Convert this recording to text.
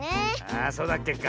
ああそうだっけか。